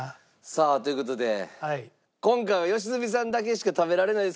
さあという事で今回は良純さんだけしか食べられないんですけど。